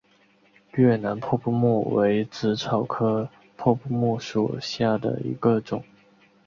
越南破布木为紫草科破布木属下的一个种。